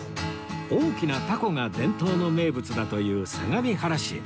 大きな凧が伝統の名物だという相模原市へ